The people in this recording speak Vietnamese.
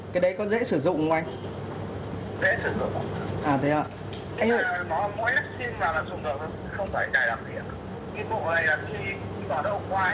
cái này mỗi lúc xin vào là dùng được không phải trải đặc biệt